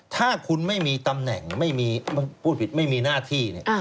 ถ้าคุณไม่มีตำแหน่งไม่มีพูดผิดไม่มีหน้าที่